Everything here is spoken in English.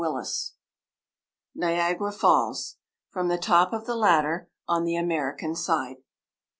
NIAGARA FALLS, (FROM THE TOP OF THE LADDER ON THE AMERICAN SIDE.)